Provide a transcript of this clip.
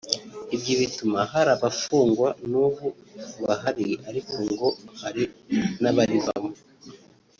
Ibyo bituma hari abafungwa n’ubu bahari ariko ngo hari n’abarivamo